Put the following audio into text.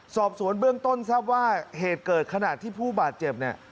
สอบสวนเบื้องต้นทราบว่าเหตุเกิดขณะที่ผู้บาดเจ็บเนี่ย